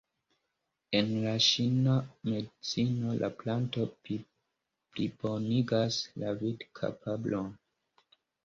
En la ĉina medicino la planto plibonigas la vidkapablon.